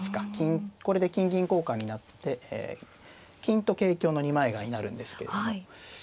これで金銀交換になって金と桂香の二枚替えになるんですけれども。